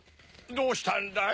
どうしたんだい？